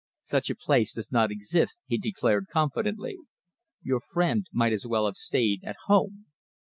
"Such a place does not exist," he declared confidently. "Your friend might as well have stayed at home."